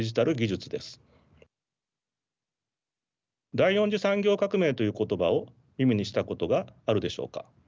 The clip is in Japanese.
第４次産業革命という言葉を耳にしたことがあるでしょうか。